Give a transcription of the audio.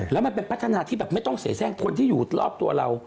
แล้วมันเป็นพัฒนาที่แบบไม่ต้องเสียแทรกคนที่อยู่รอบตัวเรา